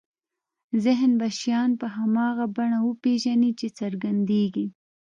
ذهن به شیان په هماغه بڼه وپېژني چې څرګندېږي.